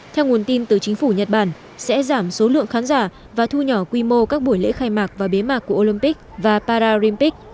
theo nguồn tin từ chính phủ nhật bản sẽ giảm số lượng khán giả và thu nhỏ quy mô các buổi lễ khai mạc và bế mạc của olympic và paralympic